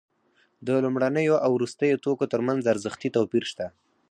د لومړنیو او وروستیو توکو ترمنځ ارزښتي توپیر شته